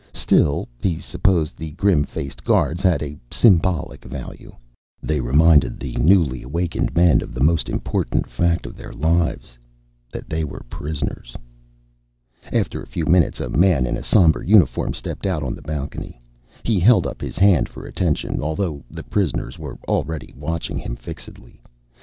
Still, he supposed the grim faced guards had a symbolic value. They reminded the newly awakened men of the most important fact of their lives: that they were prisoners. After a few minutes, a man in a somber uniform stepped out on the balcony. He held up his hand for attention, although the prisoners were already watching him fixedly.